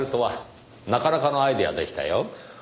なかなかのアイデアでしたよ。